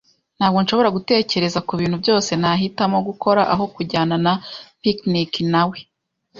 Ntabwo nshobora gutekereza kubintu byose nahitamo gukora aho kujyana na picnic nawe.